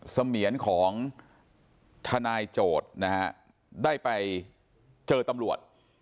เสมียนของทนายโจทย์นะฮะได้ไปเจอตำรวจ